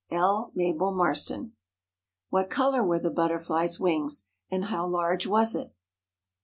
L. MABEL MARSTON. What color were the butterfly's wings, and how large was it?